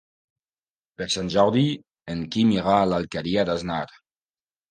Per Sant Jordi en Quim irà a l'Alqueria d'Asnar.